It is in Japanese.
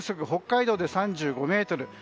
北海道で３５メートル